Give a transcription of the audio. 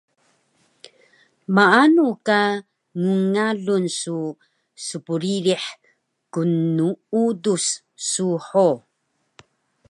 Maanu ka ngngalun su spririh knuudus su ho